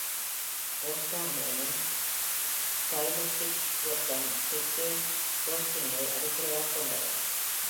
"ரோஸ்டா மேன்" இன் ஸ்டைலிஸ்டிக் தோற்றம் ரெக்கே டோஸ்டிங்கை அடிப்படையாகக் கொண்டது.